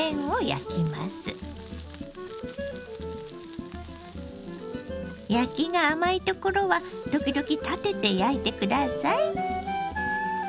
焼きが甘いところは時々立てて焼いて下さい。